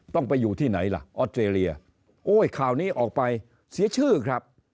ต้องไปอยู่ที่ไหนล่ะออสเตรเลียโอ้ยข่าวนี้ออกไปเสียชื่อครับ